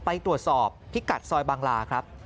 ไปตรวจสอบพิกัดซอยบางลาครับ